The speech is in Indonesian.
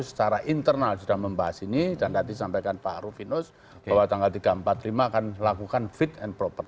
secara internal sudah membahas ini dan tadi sampaikan pak rufinus bahwa tanggal tiga empat puluh lima akan melakukan fit and proper